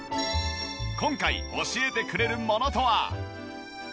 今回教えてくれるものとは？